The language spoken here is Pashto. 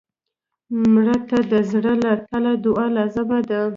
مړه ته د زړه له تله دعا لازم ده